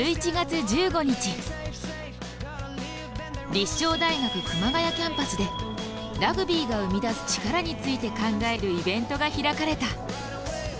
立正大学熊谷キャンパスでラグビーが生み出す力について考えるイベントが開かれた。